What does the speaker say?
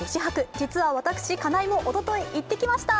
実は私、金井もおととい、行ってきました。